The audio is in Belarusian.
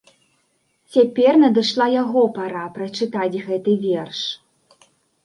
Цяпер надышла яго пара прачытаць гэты верш.